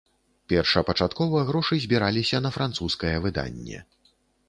Першапачаткова грошы збіраліся на французскае выданне.